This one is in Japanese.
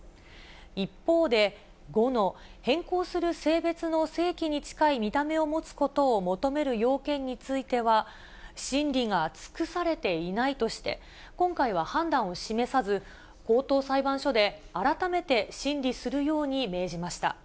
一方で、５の変更する性別の性器に近い見た目を持つことを求める要件については、審理が尽くされていないとして、今回は判断を示さず、高等裁判所で改めて審理するように命じました。